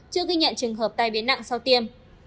chưa ghi nhận trường hợp tai biến nặng sau tiêm